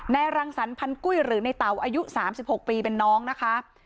รังสรรพันกุ้ยหรือในเต๋าอายุ๓๖ปีเป็นน้องนะคะ